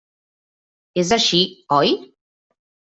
És així, oi?